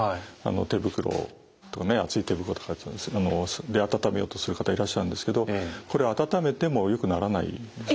手袋厚い手袋とかで温めようとする方いらっしゃるんですけどこれ温めてもよくならないですね。